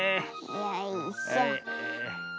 よいしょ。